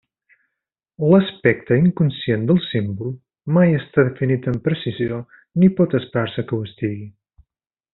L'aspecte inconscient del símbol mai està definit amb precisió ni pot esperar-se que ho estigui.